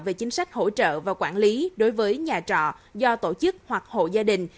về chính sách hỗ trợ và quản lý đối với nhà trọ do tổ chức hoặc hộ gia đình